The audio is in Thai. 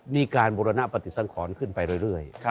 มีการบุรณปฏิสังขรขึ้นไปเรื่อย